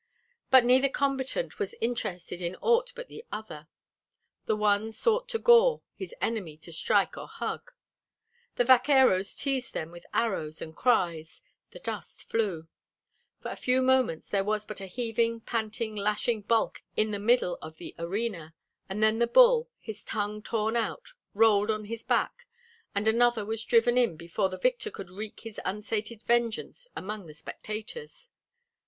But neither combatant was interested in aught but the other. The one sought to gore, his enemy to strike or hug. The vaqueros teased them with arrows and cries, the dust flew; for a few moments there was but a heaving, panting, lashing bulk in the middle of the arena, and then the bull, his tongue torn out, rolled on his back, and another was driven in before the victor could wreak his unsated vengeance among the spectators.